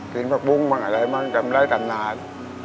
กินพักปุ้งบ้างอะไรมันก็ไม่ได้ตั้งนาน